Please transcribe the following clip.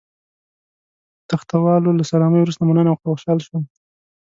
تخته والاو له سلامۍ وروسته مننه وکړه، خوشاله شول.